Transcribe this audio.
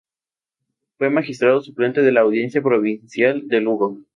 Fue magistrado suplente de la Audiencia Provincial de Lugo.